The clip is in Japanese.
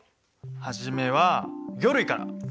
初めは魚類から。